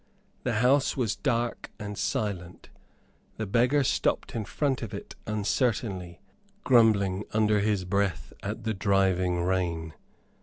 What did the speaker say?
The house was dark and silent. The beggar stopped in front of it uncertainly, grumbling under his breath at the driving rain.